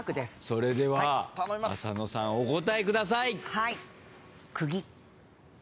それでは浅野さんお答えください。